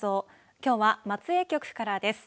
きょうは松江局からです。